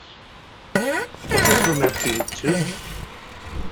Was this room empty, too?